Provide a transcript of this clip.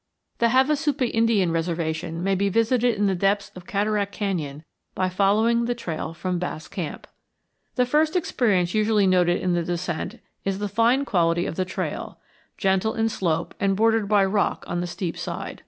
The Havasupai Indian reservation may be visited in the depths of Cataract Canyon by following the trail from Bass Camp. The first experience usually noted in the descent is the fine quality of the trail, gentle in slope and bordered by rock on the steep side.